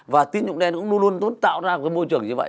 và tín dụng đen cũng luôn luôn tốt tạo ra một môi trường như vậy